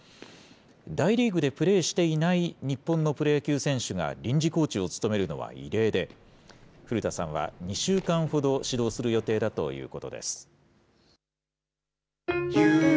大リーグでプレーしていない日本のプロ野球選手が臨時コーチを務めるのは異例で、古田さんは２週間ほど指導する予定だということです。